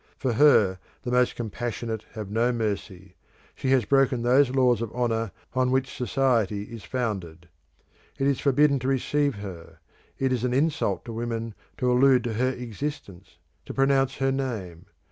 For her the most compassionate have no mercy: she has broken those laws of honour on which society is founded. It is forbidden to receive her; it is an insult to women to allude to her existence, to pronounce her name.